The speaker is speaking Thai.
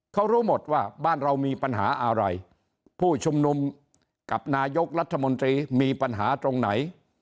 เขารู้หมดว่าบ้านเรามีปัญหาอะไรผู้ชุมนุมกับนายกรัฐมนตรีมีปัญหาตรงไหน